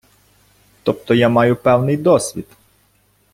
Тобто я маю певний досвід.